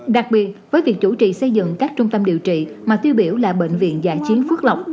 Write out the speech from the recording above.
đặc biệt với việc chủ trì xây dựng các trung tâm điều trị mà tiêu biểu là bệnh viện dạ chiến phước lọc